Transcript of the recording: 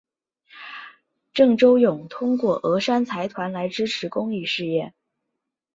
郑周永通过峨山财团来支持公益事业。